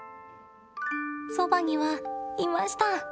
そばにはいました。